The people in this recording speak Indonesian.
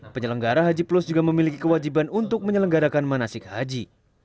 penyelenggara haji plus juga memiliki kewajiban untuk menyelenggarakan manasik haji